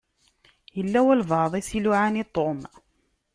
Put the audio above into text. Yella walebɛaḍ i s-iluɛan i Tom.